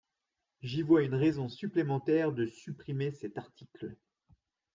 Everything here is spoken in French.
J’y vois une raison supplémentaire de supprimer cet article.